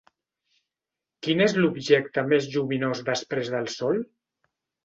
Quin és l'objecte més lluminós després del Sol?